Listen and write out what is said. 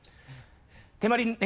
手まり猫。